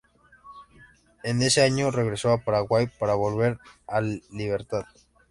En ese año regresó a Paraguay para volver al Libertad.